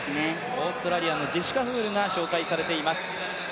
オーストラリアのジェシカ・フールが紹介されています。